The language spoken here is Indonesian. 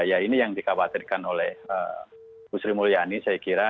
ya ini yang dikhawatirkan oleh musri mulyani saya kira